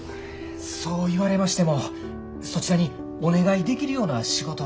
そう言われましてもそちらにお願いできるような仕事はねえ。